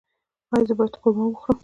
ایا زه باید قورمه وخورم؟